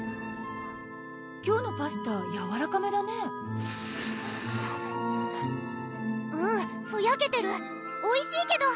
今日のパスタやわらかめだねうんふやけてるおいしいけど！